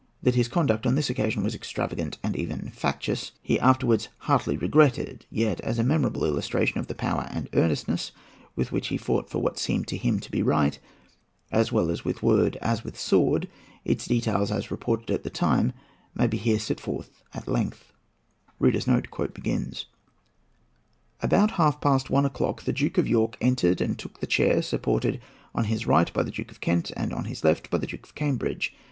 That his conduct on this occasion was extravagant and even factious, he afterwards heartily regretted. Yet as a memorable illustration of the power and earnestness with which he fought for what seemed to him to be right, as well with word as with sword, its details, as reported at the time, may be here set forth at length. About half past one o'clock the Duke of York entered and took the chair, supported on his right by the Duke of Kent, and on his left by the Duke of Cambridge.